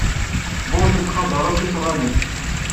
Bush yettqadar akk isɣanen.